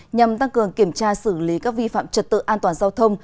nhằm tăng cường kiểm tra xử lý các vi phạm trật tự an toàn giao thông